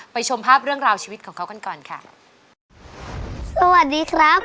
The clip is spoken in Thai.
ไปชมภาพเรื่องราวชีวิตของเขากันก่อนค่ะ